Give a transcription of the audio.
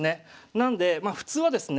なのでまあ普通はですね